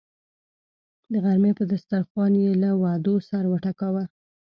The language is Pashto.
د غرمې پر دسترخان یې له وعدو سر وټکاوه.